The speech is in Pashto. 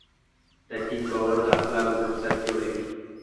د دین باور د اخلاقو بنسټ جوړوي.